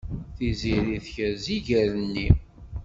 Tiziri tekrez iger-nni.